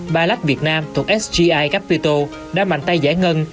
bà lách việt nam thuộc sgi capital đã mạnh tay giải ngân